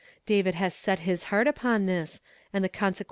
David has set lus heart upon this, and the consequ .